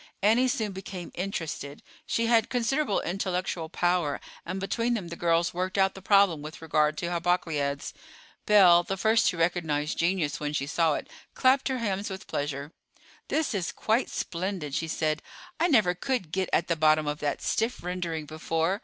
Annie soon became interested. She had considerable intellectual power, and between them the girls worked out the problem with regard to Hippocleides. Belle, the first to recognize genius when she saw it, clapped her hands with pleasure. "This is quite splendid," she said. "I never could get at the bottom of that stiff rendering before.